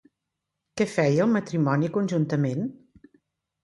Què feia el matrimoni conjuntament?